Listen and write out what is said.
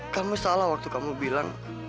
kamu salah waktu kamu bilang